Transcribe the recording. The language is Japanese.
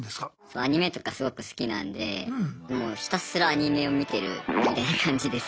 アニメとかすごく好きなんでもうひたすらアニメを見てるみたいな感じです。